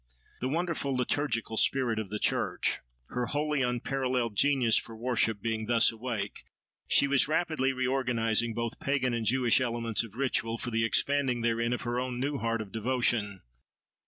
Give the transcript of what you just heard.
The wonderful liturgical spirit of the church, her wholly unparalleled genius for worship, being thus awake, she was rapidly re organising both pagan and Jewish elements of ritual, for the expanding therein of her own new heart of devotion.